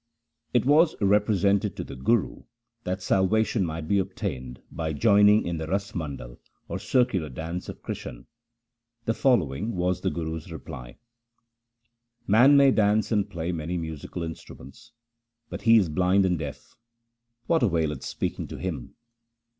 It was represented to the Guru that salvation might be obtained by joining in the Ras Mandal, or circular dance of Krishan. The following was the Guru's reply :— Man may dance and play many musical instruments, But he is blind and deaf ; what availeth speaking to him